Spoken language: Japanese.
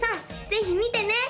ぜひ見てね！